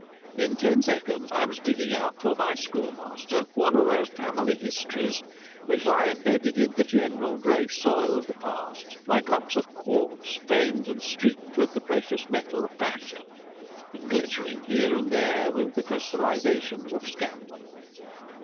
In ten seconds I was digging out for my schoolmaster one of those family histories which lie embedded in the general grey soil of the past like lumps of quartz veined and streaked with the precious metal of passion and glittering here and there with the crystallizations of scandal.